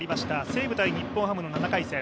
西武×日本ハムの７回戦。